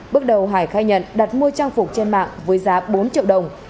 bước đầu hải khai nhận đặt mua trang phục trên mạng với giá bốn triệu đồng